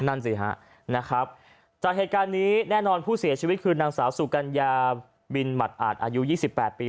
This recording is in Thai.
นั่นสิฮะนะครับจากเหตุการณ์นี้แน่นอนผู้เสียชีวิตคือนางสาวสุกัญญาบินหมัดอาจอายุ๒๘ปี